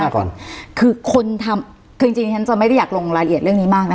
ก่อนคือคนทำคือจริงจริงฉันจะไม่ได้อยากลงรายละเอียดเรื่องนี้มากนะ